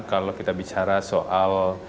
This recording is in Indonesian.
kalau kita bicara soal